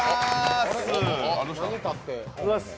おはようございます。